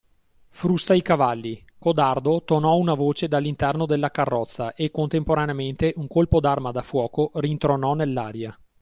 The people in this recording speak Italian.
Frusta i cavalli, codardo tonò una voce dall’interno della carrozza e contemporaneamente un colpo d’arma da fuoco rintronò nell’aria.